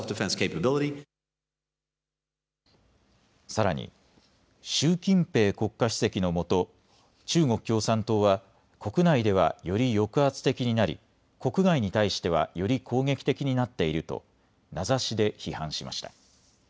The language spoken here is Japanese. さらに、習近平国家主席のもと中国共産党は国内ではより抑圧的になり国外に対してはより攻撃的になっていると名指しで批判しました。